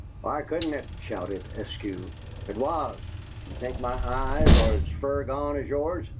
"Why couldn't it?" shouted Eskew. "It was! Do you think my eyes are as fur gone as yours?